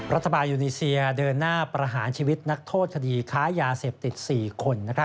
รัฐบาลยูนีเซียเดินหน้าประหารชีวิตนักโทษคดีค้ายาเสพติด๔คน